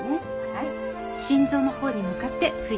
はい。